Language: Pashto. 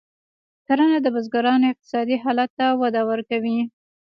کرنه د بزګرانو اقتصادي حالت ته وده ورکوي.